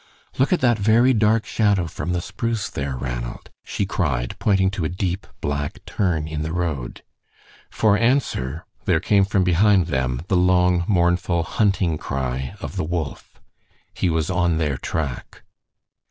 "Look at that very dark shadow from the spruce there, Ranald," she cried, pointing to a deep, black turn in the road. For answer there came from behind them the long, mournful hunting cry of the wolf. He was on their track.